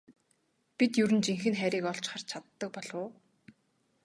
Бид ер нь жинхэнэ хайрыг олж харж чаддаг болов уу?